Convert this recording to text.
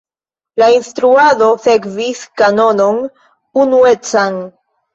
La instruado sekvis kanonon unuecan.